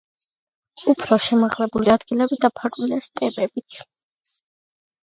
უფრო შემაღლებული ადგილები დაფარულია სტეპებით.